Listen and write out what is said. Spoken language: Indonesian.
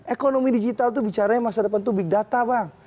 ekonomi digital itu bicaranya masa depan itu big data bang